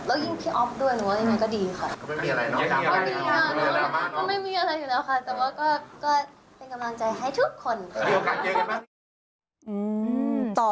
แล้วยิ่งพี่อ๊อฟด้วยหนูว่ายังไงก็ดีค่ะ